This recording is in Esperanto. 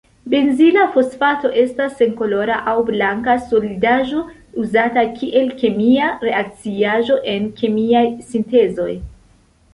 Benzila fosfato estas senkolora aŭ blanka solidaĵo, uzata kiel kemia reakciaĵo en kemiaj sintezoj.